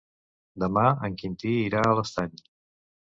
Demà en Quintí irà a l'Estany.